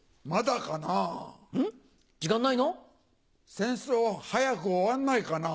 戦争早く終わんないかな。